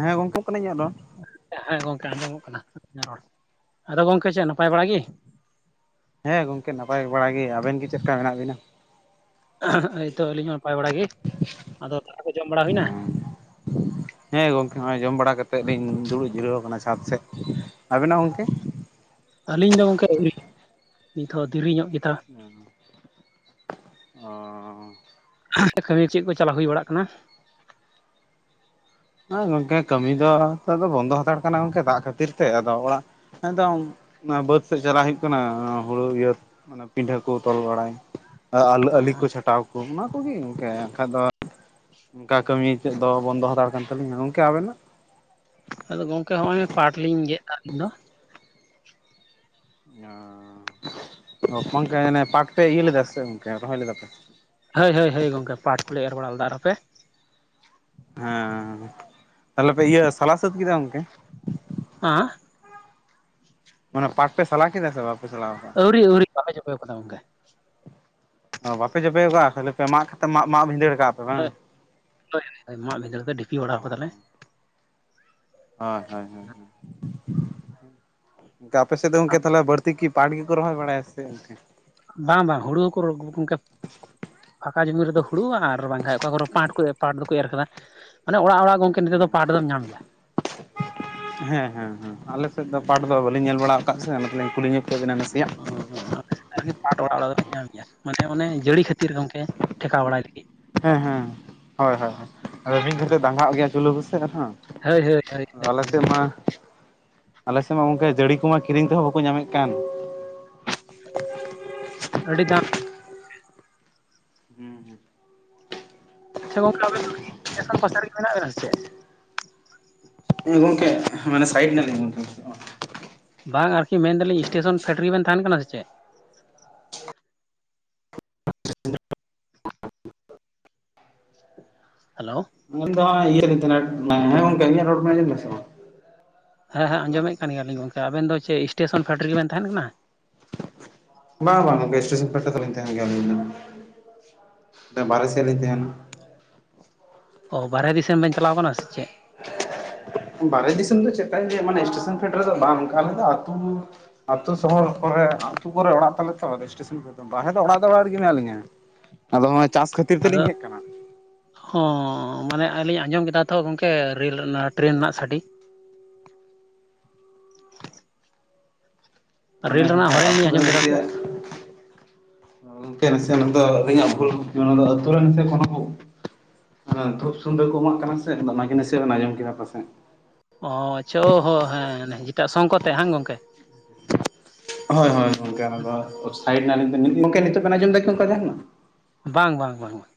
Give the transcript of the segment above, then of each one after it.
ᱦᱮᱸ ᱜᱚᱝᱠᱮ ᱠᱟᱹᱱᱟᱹᱧ ᱟᱫᱚ ᱦᱮᱸ ᱜᱚᱝᱠᱮ ᱟᱸᱡᱚᱢᱚᱜ ᱠᱟᱱᱟ ᱨᱚᱲ ᱟᱫᱚ ᱜᱚᱝᱠᱮ ᱪᱮᱫ ᱱᱟᱯᱟᱭ ᱵᱟᱲᱟ ᱜᱮ ᱦᱮᱸ ᱜᱚᱝᱠᱮ ᱱᱟᱯᱟᱭ ᱵᱟᱲᱟ ᱜᱮ ᱟᱵᱮᱱ ᱜᱮ ᱪᱮᱫ ᱞᱮᱠᱟ ᱢᱮᱱᱟᱜ ᱵᱤᱱᱟ ᱦᱚᱭᱛᱚ ᱟᱹᱞᱤᱧ ᱦᱚᱸ ᱱᱟᱯᱟᱭ ᱵᱟᱲᱟ ᱜᱮ ᱟᱫᱚ ᱫᱟᱠᱟ ᱠᱚ ᱡᱚᱢ ᱵᱟᱲᱟ ᱦᱩᱭᱱᱟ ᱦᱮᱸ ᱜᱚᱢᱠᱮ ᱱᱚᱜᱼᱚᱭ ᱡᱚᱢ ᱵᱟᱲᱟ ᱠᱟᱛᱮᱫ ᱞᱤᱧ ᱫᱩᱲᱩᱵ ᱡᱤᱨᱟᱹᱣ ᱠᱟᱱᱟ ᱪᱦᱟᱛ ᱥᱮᱫ ᱟᱵᱮᱱᱟᱜ ᱜᱚᱢᱠᱮ ᱟᱹᱞᱤᱧ ᱫᱚ ᱜᱚᱝᱠᱮ ᱟᱹᱣᱨᱤ ᱱᱤᱛᱦᱚᱸ ᱫᱮᱨᱤᱧᱚᱜ ᱜᱮᱛᱟ [unintelligible] ᱠᱟᱹᱢᱤ ᱪᱮᱫ ᱠᱚ ᱪᱟᱞᱟᱣ ᱦᱩᱭ ᱵᱟᱲᱟᱜ ᱠᱟᱱᱟ ᱦᱚᱸ ᱜᱚᱝᱠᱮ ᱠᱟᱹᱢᱤ ᱫᱚ ᱱᱮᱛᱚᱜ ᱫᱚ ᱵᱚᱱᱫᱚ ᱦᱟᱛᱟᱲ ᱠᱟᱱᱟ ᱜᱚᱢᱠᱮ ᱫᱟᱜ ᱠᱷᱟᱹᱛᱤᱨ ᱛᱮ ᱟᱫᱚ ᱚᱲᱟᱜ ᱮᱫᱚᱢ ᱚᱱᱟ ᱵᱟᱹᱫ ᱥᱮᱡ ᱪᱟᱞᱟᱜ ᱦᱩᱭᱩᱜ ᱠᱟᱱᱟ ᱦᱩᱲᱩ ᱤᱭᱟᱹ ᱢᱟᱱᱮ ᱯᱤᱸᱰᱷᱟᱹ ᱠᱚ ᱛᱚᱞ ᱵᱟᱲᱟᱭ ᱚ ᱟᱹᱞᱤ ᱠᱚ ᱪᱷᱟᱴᱟᱣ ᱠᱚ ᱚᱱᱟ ᱠᱚᱜᱮ ᱤᱝᱠᱟᱹ ᱟᱠᱷᱟᱡ ᱫᱚ ᱚᱱᱠᱟ ᱠᱟᱹᱢᱤ ᱛᱮᱫ ᱫᱚ ᱵᱚᱱᱫᱚ ᱦᱟᱛᱟᱲ ᱠᱟᱱ ᱛᱟᱹᱞᱤᱧᱟ ᱜᱚᱝᱠᱮ ᱟᱵᱮᱱᱟᱜ ᱟᱫᱚ ᱜᱚᱝᱠᱮ ᱦᱚᱸᱜᱚᱭ ᱯᱟᱴ ᱞᱤᱧ ᱜᱮᱫ ᱮᱫᱟ ᱟᱹᱞᱤᱧ ᱫᱚ ᱚ ᱜᱚᱢᱠᱮ ᱯᱟᱠᱯᱮ ᱤᱭᱟᱹ ᱞᱮᱫᱟ ᱥᱮ ᱜᱚᱢᱠᱮ ᱨᱚᱦᱚᱭ ᱞᱮᱫᱟ ᱯᱮ ᱦᱟᱹᱭ ᱦᱟᱹᱭ ᱦᱟᱹᱭ ᱜᱚᱢᱮ ᱯᱟᱴ ᱠᱚᱞᱮ ᱮᱨ ᱵᱟᱲᱟ ᱞᱮᱫᱟ ᱟᱨ ᱟᱯᱮ ᱦᱮᱸ ᱛᱟᱦᱚᱞᱮ ᱯᱮ ᱤᱭᱟᱹ ᱥᱟᱞᱟ ᱥᱟᱹᱛ ᱠᱮᱫᱟ ᱜᱚᱝᱠᱮ ᱟᱸ ᱢᱟᱱᱮ ᱯᱟᱴ ᱯᱮ ᱥᱟᱞᱟ ᱠᱮᱫᱟ ᱥᱮ ᱵᱟᱯᱮ ᱥᱟᱞᱟ ᱟᱹᱣᱨᱤ ᱟᱹᱣᱨᱤ ᱵᱟᱞᱮ ᱡᱚᱵᱮ ᱟᱠᱟᱣᱫᱟ ᱜᱚᱝᱠᱮ ᱵᱟᱯᱮ ᱡᱚᱵᱮ ᱣᱟᱠᱟᱜᱼᱟ ᱠᱷᱟᱞᱤ ᱯᱮ ᱢᱟᱜ ᱠᱟᱛᱮ ᱢᱟᱜ ᱢᱟᱜ ᱵᱷᱤᱸᱫᱟᱹᱲ ᱠᱟᱜᱼᱟ ᱯᱮ ᱵᱟᱝ ᱦᱚᱭ ᱢᱟᱜ ᱵᱤᱫᱟᱹᱲ ᱛᱮ ᱰᱷᱤᱯᱤ ᱵᱟᱲᱟᱣ ᱠᱟᱫᱟᱞᱮ᱾ ᱦᱳᱭ ᱦᱳᱭ ᱦᱳᱭ, ᱛᱚ ᱟᱯᱮ ᱥᱮᱫ ᱫᱚ ᱜᱚᱝᱠᱮ ᱛᱟᱦᱚᱞᱮ ᱵᱟᱹᱲᱛᱤ ᱠᱤ ᱯᱟᱴ ᱜᱮᱠᱚ ᱨᱚᱦᱚᱭ ᱵᱟᱲᱟᱭᱟ ᱥᱮ ᱪᱮᱫ ᱞᱮᱠᱟ? ᱵᱟᱝ ᱵᱟᱝ ᱦᱩᱲᱩ ᱦᱚᱸᱠᱚ ᱨᱚᱦᱚᱭ ᱜᱚᱝᱠᱮ᱾ ᱯᱷᱟᱸᱠᱟ ᱡᱩᱢᱤ ᱨᱮᱫᱚ ᱦᱩᱲᱩ ᱟᱨ ᱵᱟᱝᱠᱷᱟᱡ ᱚᱠᱟ ᱠᱚᱨᱮ ᱯᱟᱸᱴ ᱠᱚ ᱯᱟᱴ ᱫᱚᱠᱚ ᱮᱨ ᱟᱠᱟᱫᱟ, ᱢᱟᱱᱮ ᱚᱲᱟᱜ ᱚᱲᱟᱜ ᱜᱚᱝᱠᱮ ᱱᱤᱛᱚᱜ ᱫᱚ ᱦᱩᱸ᱾ ᱯᱟᱴ ᱫᱚᱢ ᱧᱟᱢ ᱜᱮᱭᱟ ᱦᱮᱸ ᱦᱮᱸ ᱦᱮᱸ, ᱟᱞᱮ ᱥᱮᱫ ᱫᱚ ᱯᱟᱴ ᱫᱚ ᱵᱟ ᱞᱮ ᱧᱮᱞ ᱵᱟᱲᱟᱣ ᱟᱠᱟᱫ ᱥᱮ ᱚᱱᱟᱛᱮᱞᱤᱧ ᱠᱩᱞᱤ ᱧᱚᱜ ᱠᱮᱫ ᱵᱤᱱᱟ ᱱᱟᱥᱮᱭᱟᱜ, [inaudible] ᱟᱨᱠᱤ ᱯᱟᱴ ᱚᱲᱟᱜ ᱚᱲᱟᱜ ᱫᱚᱞᱤᱧ ᱧᱟᱢ ᱜᱮᱭᱟ, ᱢᱟᱱᱮ ᱚᱱᱮ ᱡᱟᱹᱲᱤ ᱠᱷᱟᱹᱛᱤᱨ ᱜᱚᱝᱠᱮ ᱴᱷᱮᱠᱟᱣ ᱵᱟᱲᱟᱭ ᱞᱟᱜᱤᱫ᱾ ᱦᱮᱸ ᱦᱮᱸ, ᱦᱳᱭ ᱦᱳᱭ ᱦᱳᱭ, ᱟᱫᱚ ᱢᱤᱫ ᱜᱷᱟᱹᱲᱤᱡ ᱫᱚᱭ ᱫᱟᱸᱜᱟᱜ ᱜᱮᱭᱟ ᱪᱩᱞᱟᱹ ᱵᱩᱥᱟᱹᱜ ᱨᱮᱦᱚᱸ, ᱦᱳᱭ ᱦᱳᱭ ᱦᱳᱭ ᱟᱞᱮ ᱦᱳᱭ ᱥᱮᱫ ᱢᱟ, ᱟᱞᱮ ᱥᱮᱫ ᱢᱟ ᱜᱚᱝᱠᱮ ᱡᱟᱹᱲᱤ ᱠᱚᱢᱟ ᱠᱤᱨᱤᱧ ᱛᱮᱦᱚᱸ ᱵᱟᱠᱚ ᱧᱟᱢᱮᱫ ᱠᱟᱱ᱾ ᱟᱹᱰᱤ ᱫᱟᱢ ᱦᱩᱸ ᱦᱩᱸ᱾ ᱟᱪᱪᱷᱟ ᱜᱚᱝᱠᱮ ᱟᱵᱮᱱ ᱫᱚ ᱠᱤ ᱴᱮᱥᱚᱱ ᱯᱟᱥᱟ ᱨᱮᱜᱮ ᱢᱮᱱᱟᱜ ᱵᱮᱱᱟ ᱥᱮ ᱪᱮᱫ? ᱮ ᱜᱚᱝᱠᱮ, ᱢᱟᱱᱮ ᱥᱟᱭᱤᱰ ᱮᱱᱟ ᱞᱤᱧ ᱜᱚᱝᱠᱮ ᱾ ᱵᱟᱝ ᱟᱨᱠᱤ ᱢᱮᱱᱫᱟᱞᱤᱧ ᱤᱥᱴᱮᱥᱚᱱ ᱯᱷᱮᱰ ᱨᱮᱜᱮ ᱵᱮᱱ ᱛᱟᱦᱮᱸᱱ ᱠᱟᱱᱟ ᱥᱮ ᱪᱮᱫ᱾ ᱦᱮᱞᱳᱣ᱾ ᱟᱞᱤᱧ ᱫᱚ ᱦᱚᱸᱜ-ᱚᱭ ᱤᱭᱟᱹ ᱨᱮᱞᱤᱧ ᱛᱟᱦᱮᱸᱱᱟ, ᱦᱮᱸ ᱜᱚᱝᱠᱮ ᱤᱧᱟᱹᱜ ᱨᱚᱲ ᱵᱮᱱ ᱟᱸᱡᱚᱢᱮᱫᱟ ᱥᱮ ᱵᱟᱝ? ᱦᱮᱸ ᱦᱮᱸ ᱦᱮᱞᱳ ᱟᱸᱡᱚᱢᱮᱫ ᱠᱟᱱ ᱜᱮᱭᱟᱞᱤᱧ ᱜᱚᱝᱠᱮ, ᱟᱵᱤᱱ ᱫᱚ ᱪᱮᱫ ᱤᱥᱴᱮᱥᱚᱱ ᱯᱷᱮᱰ ᱨᱮᱜᱮ ᱵᱮᱱ ᱛᱟᱦᱮᱸᱱ ᱠᱟᱱᱟ? ᱵᱟᱝ ᱵᱟᱝ ᱜᱚᱝᱠᱮ ᱮᱥᱴᱮᱥᱚᱱ ᱯᱷᱮᱰ ᱨᱮᱫᱚ ᱵᱟᱞᱤᱧ ᱛᱟᱦᱮᱸᱱ ᱜᱮᱭᱟ ᱟᱞᱤᱧ ᱫᱚ᱾ ᱥᱮ ᱵᱟᱦᱨᱮ ᱥᱮᱫ ᱞᱤᱧ ᱛᱟᱦᱮᱸᱱᱟ᱾ ᱚ ᱵᱟᱨᱦᱮ ᱫᱤᱥᱚᱢ ᱵᱮᱱ ᱪᱟᱞᱟᱣ ᱟᱠᱟᱱᱟ ᱥᱮ ᱪᱮᱫ? ᱵᱟᱨᱦᱮ ᱫᱤᱥᱚᱢ ᱫᱚ ᱪᱮᱜᱠᱟᱧ ᱞᱟᱹᱭᱟ ᱢᱟᱱᱮ ᱥᱴᱮᱥᱚᱱ ᱯᱷᱮᱰ ᱨᱮ ᱫᱚ ᱵᱟᱝ ᱜᱚᱝᱠᱮ ᱟᱞᱮ ᱫᱚ ᱟᱛᱩ ᱟᱛᱳ ᱥᱚᱦᱚᱨ ᱠᱚᱨᱮ, ᱟᱛᱩ ᱠᱚᱨᱮ ᱚᱲᱟᱜ ᱛᱟᱞᱮ ᱛᱚ ᱟᱫᱚ ᱤᱥᱴᱮᱥᱚᱱ ᱠᱚ ᱫᱚ ᱵᱟᱦᱨᱮ ᱫᱚ ᱚᱲᱟᱜ ᱫᱚ ᱚᱲᱟᱜ ᱨᱮᱜᱮ ᱢᱮᱱᱟᱜ ᱞᱤᱧᱟᱹ᱾ ᱟᱫᱚ ᱦᱚᱸᱜ-ᱚᱭ ᱪᱟᱥ ᱠᱷᱟᱹᱛᱤᱨ ᱛᱮᱞᱤᱧ ᱦᱮᱡ ᱠᱟᱱᱟ᱾ ᱦᱚᱸᱻ ᱢᱟᱱᱮ ᱟᱹᱞᱤᱧ ᱟᱸᱡᱚᱢ ᱠᱮᱫᱟ ᱛᱚ ᱜᱚᱝᱠᱮ ᱨᱮᱞ ᱚᱱᱟ ᱴᱨᱮᱱ ᱨᱮᱱᱟᱜ ᱥᱟᱰᱮ, ᱢᱟᱱᱮ ᱨᱮᱹᱞ ᱨᱮᱱᱟᱜ ᱚᱝᱠᱟ ᱦᱚᱨᱮᱱ ᱟᱛᱩ ᱞᱤᱧ ᱨᱮ ᱟᱸᱡᱚᱢ ᱠᱮᱫᱟ ᱛᱚ ᱱᱟᱥᱮᱭᱟᱜ ᱜᱚᱝᱠᱮ ᱱᱟᱥᱮ ᱚᱱᱟ ᱫᱚ ᱟᱹᱞᱤᱧᱟᱜ ᱵᱷᱩᱞ ᱜᱚᱝᱠᱮ ᱚᱱᱟ ᱫᱚ ᱟᱹᱛᱩ ᱨᱮᱱ ᱥᱮ ᱠᱳᱱᱳ ᱠᱚ ᱚᱱᱟ ᱫᱷᱩᱯ ᱥᱩᱱᱫᱟᱹ ᱠᱚ ᱮᱢᱟᱜ ᱠᱟᱱᱟ ᱥᱮ ᱚᱱᱟᱜᱮ ᱱᱟᱥᱮᱭᱟᱜ ᱵᱮᱱ ᱟᱸᱡᱚᱢ ᱠᱮᱫᱟ ᱯᱟᱥᱮᱡ᱾ ᱚᱻ ᱟᱪᱪᱷᱟ ᱚ ᱦᱚᱸ ᱦᱮᱸ ᱡᱮᱴᱟ ᱥᱚᱝᱠᱚᱱᱛᱮ ᱵᱟᱝ ᱜᱚᱝᱠᱮ? ᱦᱳᱭ ᱦᱳᱭ ᱜᱚᱝᱠᱮ ᱚᱱᱟ ᱫᱚ ᱥᱟᱭᱤᱰ ᱮᱱᱟ ᱞᱤᱧ, [inaudible] ᱜᱚᱝᱠᱮ ᱱᱤᱛᱚᱜ ᱵᱮᱱ ᱟᱸᱡᱚᱢᱮᱫᱟ ᱠᱤ ᱚᱝᱠᱟ ᱡᱟᱦᱟᱸᱱᱟᱜ? ᱵᱟᱝ ᱵᱟᱝ ᱵᱟᱝ ᱵᱟᱝ᱾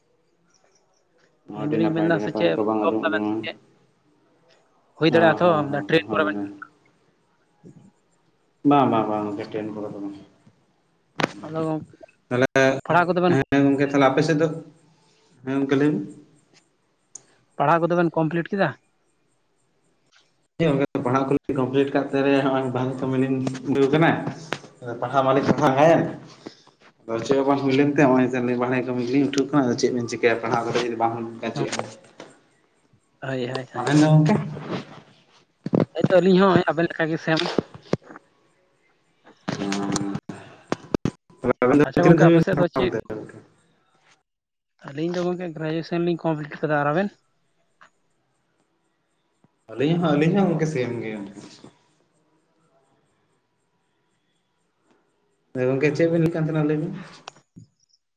ᱟᱹᱰᱤ ᱱᱟᱯᱟᱭ ᱢᱮᱱᱫᱟ ᱟᱹᱰᱤ ᱥᱮ ᱱᱟᱯᱟᱭ ᱪᱮᱫ ᱱᱮᱛᱚᱜ ᱵᱟᱝ ᱡᱚᱵ ᱫᱟᱵᱮᱱ ᱥᱮ ᱟᱸᱡᱚᱢᱚᱜ ᱪᱮᱫ ᱦᱩᱭ [unintelligible] ᱚ ᱫᱟᱲᱮᱭᱟᱜᱼᱟ ᱛᱚ ᱦᱚᱸ ᱦᱚᱸ ᱦᱚᱸ ᱴᱨᱮᱱ ᱠᱚᱨᱮ ᱦᱳᱭ ᱵᱮᱱ ᱦᱳᱭ᱾ ᱵᱟᱝ ᱵᱟᱝ ᱵᱟᱝ ᱥᱴᱮᱱ ᱠᱚᱨᱮ ᱫᱚ ᱵᱟᱝ᱾ ᱟᱫᱚ ᱛᱟᱦᱚᱞᱮ ᱯᱟᱲᱦᱟᱣ ᱠᱚᱫᱚ ᱵᱮᱱ ᱦᱮᱸ ᱜᱚᱝᱠᱮ ᱛᱟᱦᱚᱞᱮ ᱟᱯᱮ ᱥᱮᱫ ᱫᱚ, ᱦᱮᱸ ᱜᱚᱝᱠᱮ ᱞᱟᱹᱭ ᱢᱮ᱾ ᱯᱟᱲᱦᱟᱜ ᱠᱚᱫᱚ ᱵᱮᱱ ᱠᱚᱢᱯᱞᱤᱴ ᱠᱮᱫᱟ? ᱦᱮᱸ ᱜᱚᱝᱠᱮ ᱯᱟᱲᱦᱟᱜ ᱠᱚᱞᱤᱧ ᱠᱚᱢᱯᱞᱤᱴ ᱠᱟᱜ ᱛᱮ ᱦᱚᱸᱜ-ᱚᱭ ᱵᱟᱦᱨᱮ ᱠᱟᱹᱢᱤᱞᱤᱧ [unintelligible] ᱠᱟᱱᱟ᱾ ᱯᱟᱲᱦᱟᱣ ᱢᱟᱞᱤᱧ ᱯᱟᱲᱟᱭᱮᱱ, ᱟᱫᱚ ᱪᱮᱫ ᱦᱚᱸ ᱵᱟᱝ ᱦᱩᱭ ᱞᱮᱱ ᱛᱮ ᱦᱚᱸᱜ-ᱚᱭ ᱱᱤᱛᱚᱜ ᱞᱤᱧ ᱵᱟᱦᱨᱮ ᱠᱟᱹᱢᱤ ᱜᱮᱞᱤᱧ ᱩᱴᱷᱟᱹᱣ ᱠᱟᱱᱟ ᱟᱨ ᱪᱮᱫ ᱵᱮᱱ ᱪᱤ ᱛᱮ ᱟᱨ ᱯᱟᱲᱦᱟᱣ ᱠᱟᱛᱮ ᱡᱚᱫᱤ ᱵᱟᱝ ᱚᱝᱠᱟ ᱦᱚᱸ ᱪᱮᱫᱦᱚᱸ ᱦᱳᱭ ᱦᱳᱭ᱾ ᱦᱳᱭ ᱟᱵᱮᱱ ᱫᱚ ᱜᱚᱝᱠᱮ? ᱦᱚᱭᱛᱳ ᱟᱹᱞᱤᱧ ᱦᱚᱸ ᱦᱚᱸᱜ-ᱚᱭ ᱟᱵᱮᱱ ᱞᱮᱠᱟ ᱜᱮ ᱥᱮᱢ᱾ ᱚᱸᱻ᱾ ᱟᱪᱪᱷᱟ ᱜᱚᱝᱠᱮ ᱟᱯᱮ ᱥᱮᱫ ᱫᱚ ᱪᱮᱫ ᱟᱹᱞᱤᱧ ᱫᱚ ᱜᱚᱝᱠᱮ ᱜᱨᱮᱡᱩᱭᱮᱥᱚᱱ ᱞᱤᱧ ᱠᱚᱢᱯᱞᱤᱴ ᱟᱠᱟᱫᱟ ᱟᱨ ᱟᱵᱮᱱ? ᱟᱞᱤᱧ ᱦᱚᱸ ᱟᱞᱤᱧ ᱦᱚᱸ ᱜᱚᱝᱠᱮ ᱥᱮᱢ ᱜᱮ᱾ ᱜᱚᱝᱠᱮ ᱪᱮᱫ ᱵᱤᱱ ᱞᱟᱹᱭᱮᱫ ᱠᱟᱱ ᱛᱟᱦᱮᱱᱟ ᱞᱟᱹᱭ ᱵᱤᱱ᱾